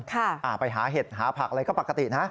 อ่าไปหาเห็ดหาผักอะไรก็ปกตินะ